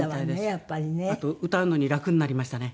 あと歌うのに楽になりましたね。